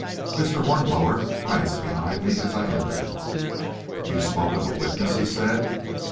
Mr. Hornblower glanced behind me as I entered. "You spoke of a witness," he said.